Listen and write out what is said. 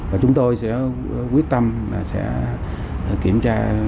và chúng tôi sẽ quyết tâm sẽ kiểm tra